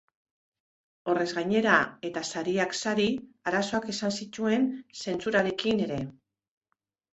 Horrez gainera, eta sariak sari, arazoak izan zituen zentsurarekin ere.